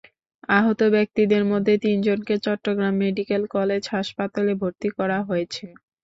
আহত ব্যক্তিদের মধ্যে তিনজনকে চট্টগ্রাম মেডিকেল কলেজ হাসপাতালে ভর্তি করা হয়েছে।